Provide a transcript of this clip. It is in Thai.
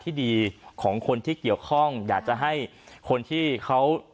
ที่ดีของคนที่เกี่ยวข้องอยากจะให้คนที่เขา